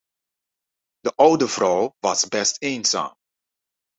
De oude vrouw was best eenzaam.